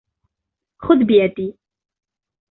خذ يدي